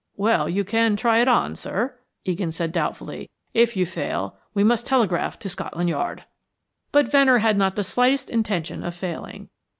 "Well, you can try it on, sir," Egan said doubtfully. "If you fail we must telegraph to Scotland Yard." But Venner had not the slightest intention of failing.